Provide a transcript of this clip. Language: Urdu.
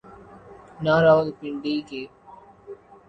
نہ راولپنڈی کے۔